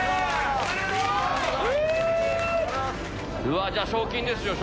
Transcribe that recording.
うわじゃあ賞金ですよ